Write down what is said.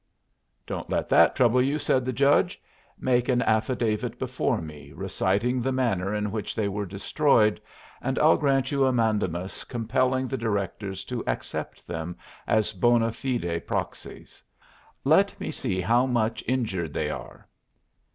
"Don't let that trouble you," said the judge. "Make an affidavit before me, reciting the manner in which they were destroyed, and I'll grant you a mandamus compelling the directors to accept them as bona fide proxies. Let me see how much injured they are."